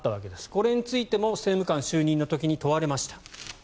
これについても政務官就任の時に問われました。